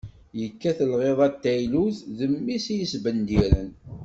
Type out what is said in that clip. Yekkat lɣiḍa n teylut, d mmi-s i yesbendiren.